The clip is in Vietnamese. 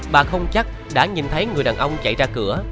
bà không chắc đã nhìn thấy người đàn ông chạy ra cửa